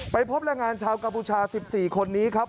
พบแรงงานชาวกัมพูชา๑๔คนนี้ครับ